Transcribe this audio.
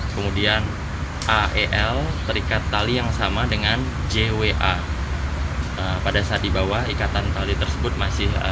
kemudian ael terikat tali yang sama dengan jwa pada saat dibawa ikatan tali tersebut masih